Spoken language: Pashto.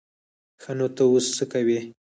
ښه نو ته اوس څه کوې؟